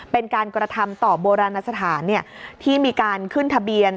เป็นการกระทำต่อโบราณสถานที่มีการขึ้นทะเบียน